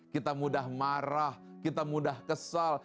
kita mudah marah kita mudah kesal